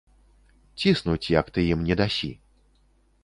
Ціснуць, як ты ім не дасі.